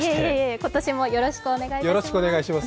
今年もよろしくお願いします。